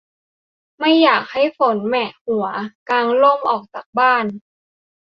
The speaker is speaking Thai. ไม่อยากให้ฝนแหมะหัว กางร่มออกจากบ้าน